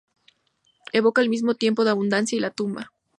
Evoca al mismo tiempo la abundancia y la tumba.